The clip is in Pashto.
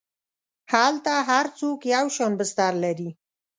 هلته هر څوک یو شان بستر لري.